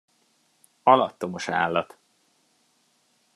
Alattomos állat!